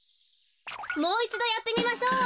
もういちどやってみましょう。